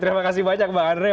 terima kasih banyak bang andre